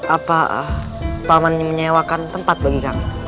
apa pak man menyewakan tempat bagi kami